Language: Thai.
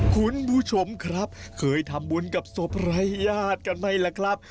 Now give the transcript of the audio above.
คุณผู้ชมครับเคยทำบุญกับศพรายญาติกันไหมล่ะครับ